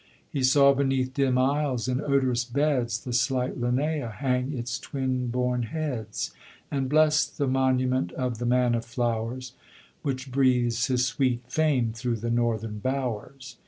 He saw beneath dim aisles, in odorous beds, The slight Linnæa hang its twin born heads, And blessed the monument of the man of flowers, Which breathes his sweet fame through the northern bowers.